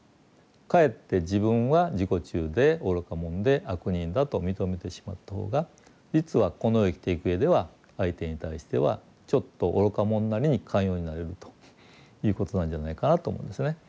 かえって自分は自己中で愚か者で悪人だと認めてしまった方が実はこの世を生きていくうえでは相手に対してはちょっと愚か者なりに寛容になれるということなんじゃないかなと思うんですね。